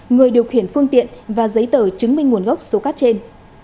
người điều khiển phương tiện và giấy tờ chứng minh nguồn gốc số cát trên